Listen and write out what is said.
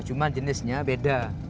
cuma jenisnya beda